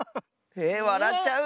えっわらっちゃう？